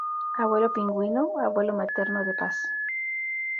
Abuelo Pingüino: Abuelo materno de Paz.